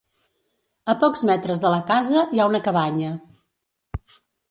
A pocs metres de la casa hi ha una cabanya.